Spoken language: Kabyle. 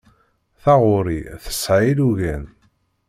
Taɣuri tesɛa ilugan.